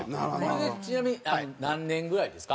これでちなみに何年ぐらいですか？